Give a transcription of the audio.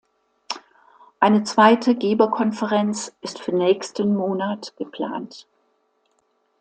Eine zweite Geberkonferenz ist für nächsten Monat geplant.